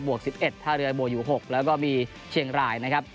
บวกสิบเอ็ดท่าเรือโบยุหกแล้วก็มีเชียงรายนะครับ